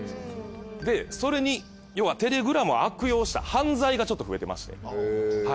でそれに要はテレグラムを悪用した犯罪がちょっと増えてまして。